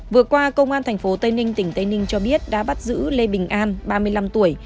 vừa qua công an tp tây ninh tỉnh tây ninh cho biết đã bắt giữ lê bình an ba mươi năm tuổi